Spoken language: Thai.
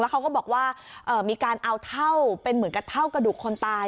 เขาก็บอกว่ามีการเอาเท่าเป็นเหมือนกับเท่ากระดูกคนตาย